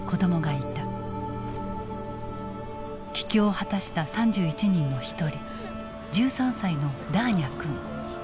帰郷を果たした３１人の一人１３歳のダーニャ君。